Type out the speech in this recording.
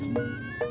terima kasih pak